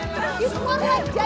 jadi satu dua satu dua